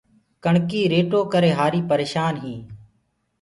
ڪڻڪي ريٽو ڪري هآري پرشآن هينٚ۔